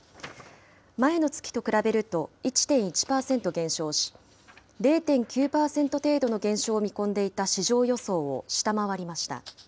前の月と比べると１．１％減少し、０．９％程度の減少を見込んでいた市場予想を下回りました。